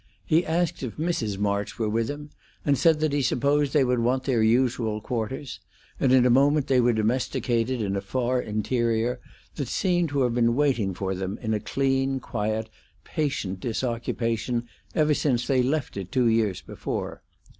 He asked if Mrs. March were with him, and said then he supposed they would want their usual quarters; and in a moment they were domesticated in a far interior that seemed to have been waiting for them in a clean, quiet, patient disoccupation ever since they left it two years before.